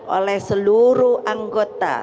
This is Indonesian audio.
oleh seluruh anggota